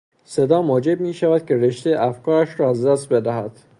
صدا موجب میشود که رشتهی افکارش را از دست بدهد.